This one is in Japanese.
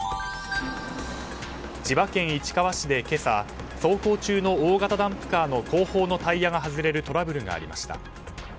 千葉県市川市で今朝、走行中の大型ダンプカーの後方のタイヤが外れるトラブルがありました。